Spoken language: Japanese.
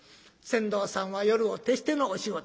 船頭さんは夜を徹してのお仕事